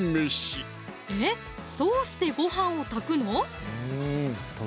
ソースでごはんを炊くの？